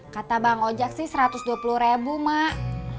kata bang ojek sih satu ratus dua puluh ribu mak